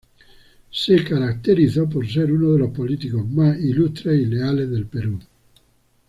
Se caracterizó por ser uno de los políticos más ilustres y leales del Perú.